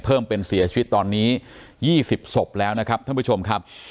เพิ่มเป็นเสียชีวิตตอนนี้๒๐ศพแล้วนะครับท่านผู้ชมครับ